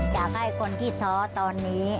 อยากให้คนที่ท้อตอนนี้